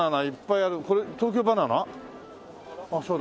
あっそうだ。